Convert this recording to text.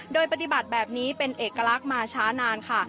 โดยปฏิบัติแบบนี้เป็นเอกลักษณ์มาช้านานค่ะ